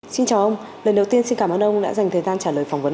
xin chào ông lần đầu tiên xin cảm ơn ông đã dành thời gian trả lời phòng vận